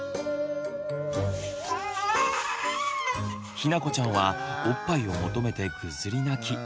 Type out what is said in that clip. ひなこちゃんはおっぱいを求めてぐずり泣き。